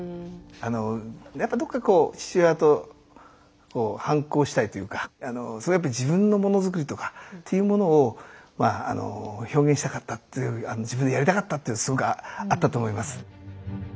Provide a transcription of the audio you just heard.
やっぱどっかこう父親と反抗したいというか自分のものづくりとかというものを表現したかったっていう自分でやりたかったっていうのすごくあったと思います。